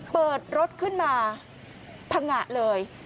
เปิดรถขึ้นมาพังงะเลย